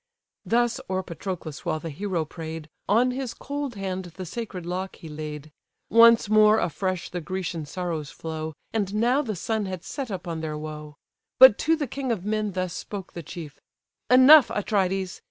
Thus o'er Patroclus while the hero pray'd, On his cold hand the sacred lock he laid. Once more afresh the Grecian sorrows flow: And now the sun had set upon their woe; But to the king of men thus spoke the chief: "Enough, Atrides!